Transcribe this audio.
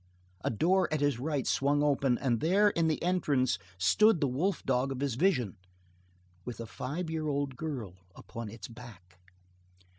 A door at his right swung open and there in the entrance stood the wolf dog of his vision with a five year old girl upon its back.